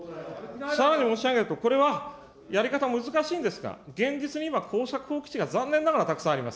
さらに申し上げると、これはやり方難しいんですか、現実には耕作放棄地が残念ながらたくさんあります。